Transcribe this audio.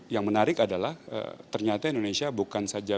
yang menarik adalah ternyata indonesia bukan saja